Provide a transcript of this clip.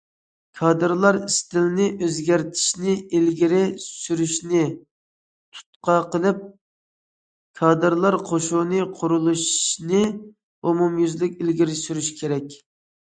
كادىرلار ئىستىلىنى ئۆزگەرتىشنى ئىلگىرى سۈرۈشنى تۇتقا قىلىپ، كادىرلار قوشۇنى قۇرۇلۇشىنى ئومۇميۈزلۈك ئىلگىرى سۈرۈش كېرەك.